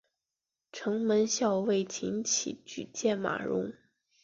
城门校尉岑起举荐马融。